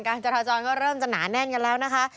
การจราจรก็เริ่มจะหนาแน่นกันแล้วนะคะ